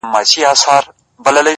په سپورږمۍ كي زما زړه دى.!